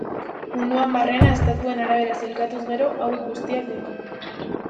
Munduan barrena, estatuen arabera sailkatuz gero, hauek guztiak ditu.